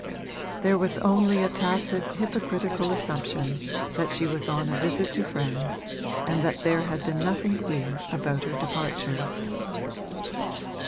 There was only a tacit hypocritical assumption that she was on a visit to friends and that there had been nothing queer about her departure.